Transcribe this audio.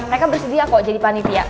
mereka bersedia kok jadi panitia